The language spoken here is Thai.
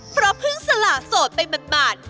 เพราะเพิ่งสละโสดไปบาด